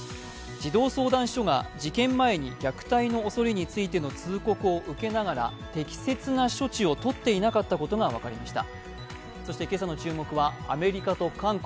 児童相談所が事件前に虐待の恐れについての通告を受けながら適切な処置をとっていなかったことが分かりました。